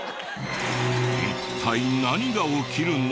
一体何が起きるの？